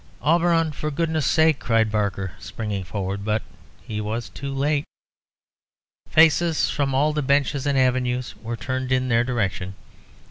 "Auberon! for goodness' sake ..." cried Barker, springing forward; but he was too late. Faces from all the benches and avenues were turned in their direction.